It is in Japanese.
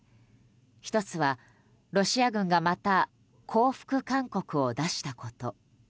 １つは、ロシア軍がまた降伏勧告を出したこと。